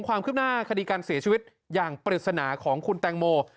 ความคืบหน้าคดีการเสียชีวิตอย่างปริศนาของคุณแตงโม